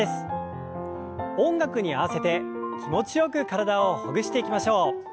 音楽に合わせて気持ちよく体をほぐしていきましょう。